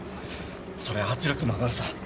そりゃ圧力も上がるさ。